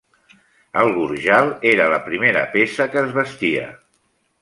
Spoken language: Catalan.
El gorjal era la primera peça que es vestia.